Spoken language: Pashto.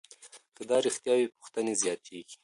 که دا رښتیا وي، پوښتنې زیاتېږي.